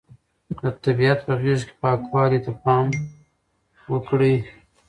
د طبیعت په غېږ کې پاکوالي ته پام وکړئ.